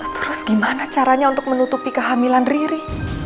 terus gimana caranya untuk menutupi kehamilan riri